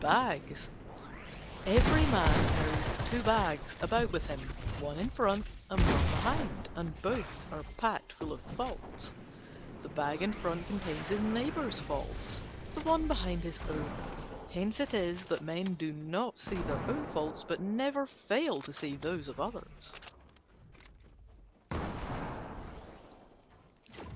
THE TWO BAGS Every man carries Two Bags about with him, one in front and one behind, and both are packed full of faults. The Bag in front contains his neighbours' faults, the one behind his own. Hence it is that men do not see their own faults, but never fail to see those of others.